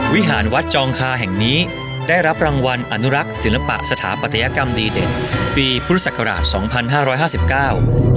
วิหารวัดจองคาแห่งนี้ได้รับรางวัลอนุรักษ์ศิลปะสถาปัตยกรรมดีเด่นปีพุทธศักราชสองพันห้าร้อยห้าสิบเก้า